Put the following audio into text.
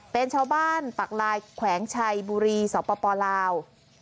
เป็นชาวบ้านปากลายแขวงชัยบุรีสปลาว